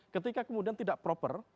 ketika kemudian tidak proper